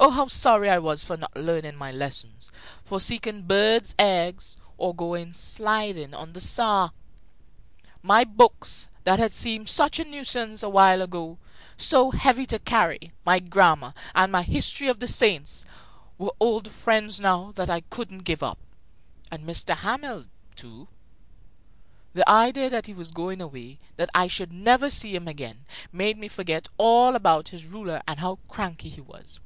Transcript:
Oh, how sorry I was for not learning my lessons, for seeking birds' eggs, or going sliding on the Saar! My books, that had seemed such a nuisance a while ago, so heavy to carry, my grammar, and my history of the saints, were old friends now that I couldn't give up. And M. Hamel, too; the idea that he was going away, that I should never see him again, made me forget all about his ruler and how cranky he was.